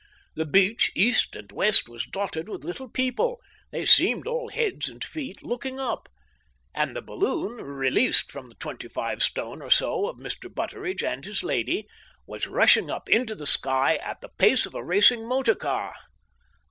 The beach, east and west, was dotted with little people they seemed all heads and feet looking up. And the balloon, released from the twenty five stone or so of Mr. Butteridge and his lady, was rushing up into the sky at the pace of a racing motor car.